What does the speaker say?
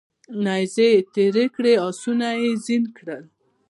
نیزې یې تیرې کړې اسونه یې زین کړل